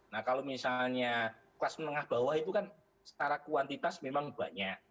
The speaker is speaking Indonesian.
nah kalau misalnya kelas menengah bawah itu kan setara kuantitas memang banyak